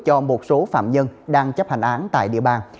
cho một số phạm nhân đang chấp hành án tại địa bàn